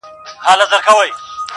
قانون هم کمزوری ښکاري دلته-